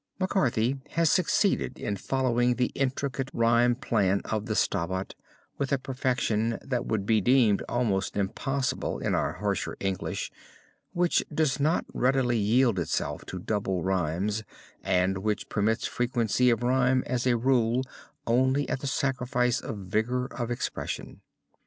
MacCarthy has succeeded in following the intricate rhyme plan of the Stabat with a perfection that would be deemed almost impossible in our harsher English, which does not readily yield itself to double rhymes and which permits frequency of rhyme as a rule only at the sacrifice of vigor of expression.